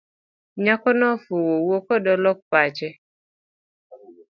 Nyakono ofuwo wuokode olok pache.